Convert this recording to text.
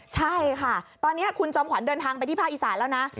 ใช่ค่ะตอนนี้คุณจอมขวัญเดินทางไปที่ภาคอีสานแล้วนะ